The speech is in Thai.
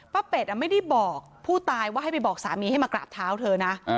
เป็ดไม่ได้บอกผู้ตายว่าให้ไปบอกสามีให้มากราบเท้าเธอนะ